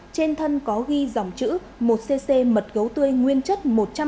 trên thân có ghi dòng chữ một cc mật gấu tươi nguyên chất một trăm linh